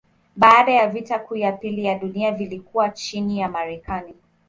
Baada ya vita kuu ya pili ya dunia vilikuwa chini ya Marekani.